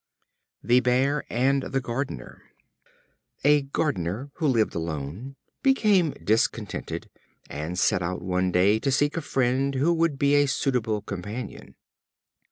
The Bear and the Gardener. A Gardener, who lived alone, became discontented, and set out, one day, to seek a friend who would be a suitable companion.